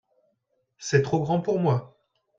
c'est trop grand pour moi.